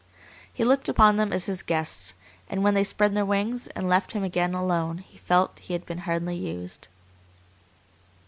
He looked upon them as his guests, and when they spread their wings and left him again alone he felt he had been hardly used.